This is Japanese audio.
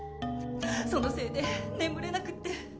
そのせいで眠れなくて。